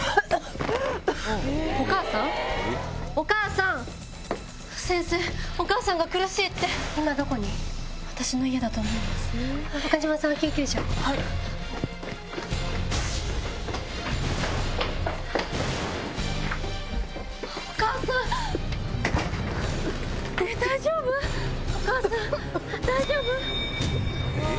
⁉お母さん大丈夫⁉うわ！